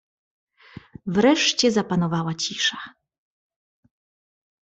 "Wreszcie zapanowała cisza."